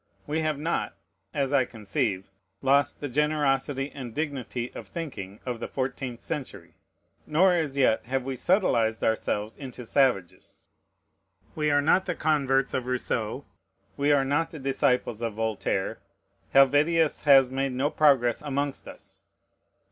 We have not (as I conceive) lost the generosity and dignity of thinking of the fourteenth century; nor as yet have we subtilized ourselves into savages. We are not the converts of Rousseau; we are not the disciples of Voltaire; Helvetius has made no progress amongst us.